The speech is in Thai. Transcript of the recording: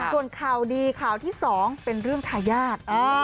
ส่วนข่าวดีข่าวที่๒เป็นเรื่องทายาท